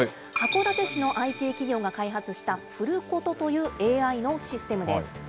函館市のＩＴ企業が開発したフルコトというＡＩのシステムです。